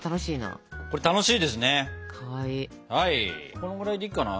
このぐらいでいいかな。